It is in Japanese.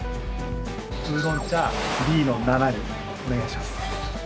ウーロン茶Ｂの７にお願いします。